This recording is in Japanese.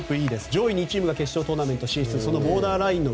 上位２チームが決勝トーナメントに進出。